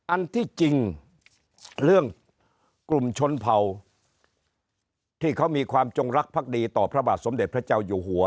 อันที่จริงเรื่องกลุ่มชนเผ่าที่เขามีความจงรักภักดีต่อพระบาทสมเด็จพระเจ้าอยู่หัว